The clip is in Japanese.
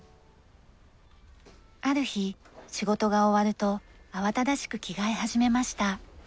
ある日仕事が終わると慌ただしく着替え始めました。